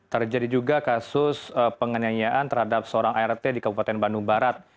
terjadi juga kasus penganiayaan terhadap seorang art di kabupaten bandung barat